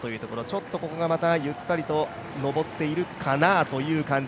ちょっとここがまたゆったりと上っているかなという感じ。